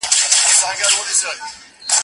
توګه، لیږي.